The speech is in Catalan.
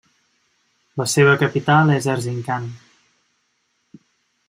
La seva capital és Erzincan.